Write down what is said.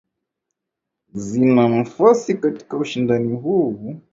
zina nafasi kweli katika ushindani huu